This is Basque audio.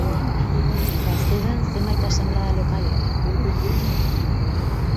Bazeuden zenbait asanblada lokal ere.